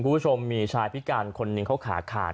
คุณผู้ชมมีชายพิการคนหนึ่งเขาขาขาด